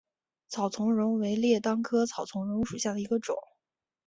草苁蓉为列当科草苁蓉属下的一个种。